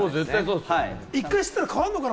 一回知ったら変わるのかな？